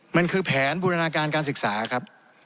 มันคือแผนบูรณาการการศึกษาครับ